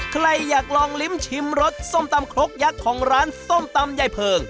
ใครอยากลองลิ้มชิมรสส้มตำครกยักษ์ของร้านส้มตำยายเพิง